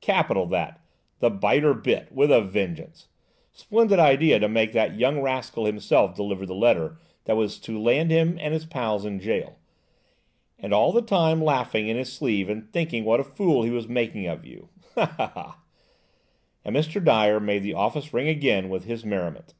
Capital that–the biter bit, with a vengeance! Splendid idea to make that young rascal himself deliver the letter that was to land him and his pals in jail. And he all the time laughing in his sleeve and thinking what a fool he was making of you! Ha, ha, ha!" And Mr. Dyer made the office ring again with his merriment.